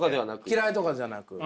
嫌いとかじゃなく。